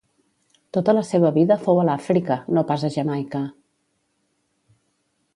Tota la seva vida fou a l'Àfrica, no pas a Jamaica.